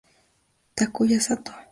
Takuya Satō